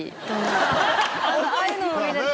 ああいうのを見れて。